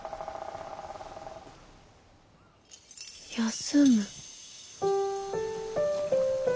休む？